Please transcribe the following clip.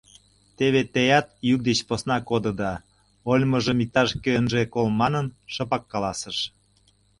Теве теат йӱк деч посна кодыда, — ойлымыжым иктаж-кӧ ынже кол манын, шыпак каласыш.